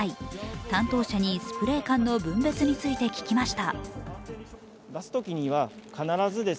担当者にスプレー缶の分別について聞きました。